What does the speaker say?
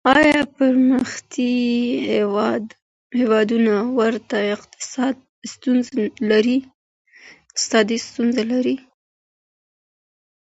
آيا پرمختيايي هيوادونه ورته اقتصادي ستونزې لري؟